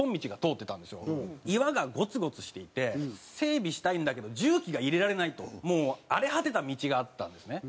岩がゴツゴツしていて整備したいんだけど重機が入れられないともう荒れ果てた道があったんですね。